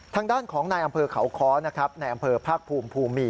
ทางด้านของในอำเภอเขาค้อในอำเภอภาคภูมิ